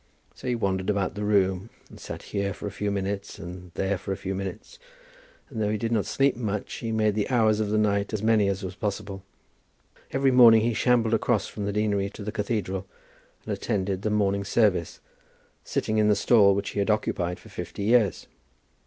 So he wandered about the room, and sat here for a few minutes, and there for a few minutes, and though he did not sleep much, he made the hours of the night as many as was possible. Every morning he shambled across from the deanery to the cathedral, and attended the morning service, sitting in the stall which he had occupied for fifty years.